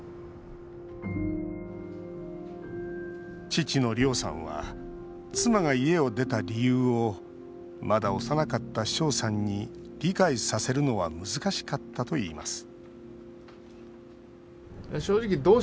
父の亮さんは妻が家を出た理由をまだ幼かった翔さんに理解させるのは難しかったといいます